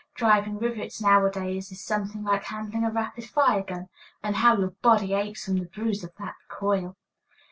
Driving rivets nowadays is something like handling a rapid fire gun. And how your body aches from the bruise of that recoil!